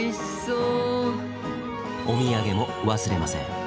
お土産も忘れません。